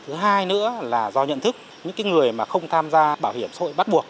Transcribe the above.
thứ hai nữa là do nhận thức những người mà không tham gia bảo hiểm xã hội bắt buộc